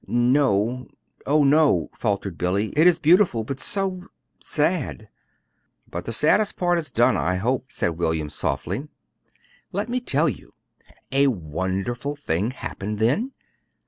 "No, oh, no," faltered Billy. "It is beautiful, but so sad!" "But the saddest part is done I hope," said William, softly. "Let me tell you. A wonderful thing happened then.